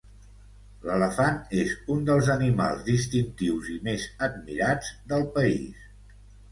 L'elefant és un dels animals distintius i més admirats del país.